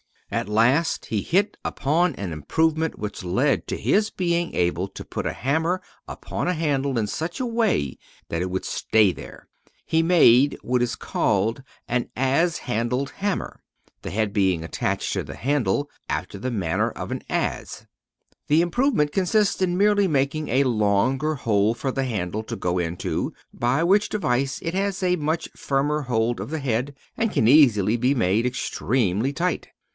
At last, he hit upon an improvement which led to his being able to put a hammer upon a handle in such a way that it would stay there. He made what is called an adze handled hammer, the head being attached to the handle after the manner of an adze. The improvement consists in merely making a longer hole for the handle to go into, by which device it has a much firmer hold of the head, and can easily be made extremely tight.